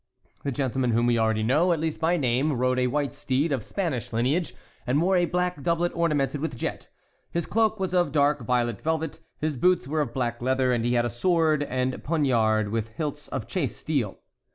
The gentleman whom we already know, at least by name, rode a white steed of Spanish lineage and wore a black doublet ornamented with jet; his cloak was of dark violet velvet; his boots were of black leather, and he had a sword and poniard with hilts of chased steel.